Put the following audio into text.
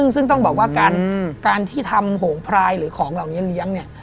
ซึ่งต้องบอกว่าการที่ทำหงพลายหรือของเหลี้ยง